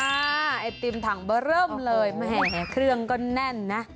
ไอติมถังเบอร์เริ่มเลยแหมเครื่องก็แน่นนะ